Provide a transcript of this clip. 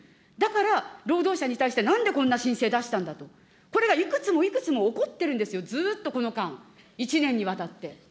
だから、労働者に対してなんでこんな申請出したんだと、これがいくつもいくつも、起こっているんですよ、ずっとこの間、１年にわたって。